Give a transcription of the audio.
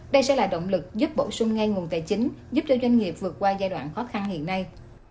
đây sẽ là động lực giúp bổ sung ngay nguồn tài chính giúp cho doanh nghiệp vượt qua giai đoạn khó khăn hiện nay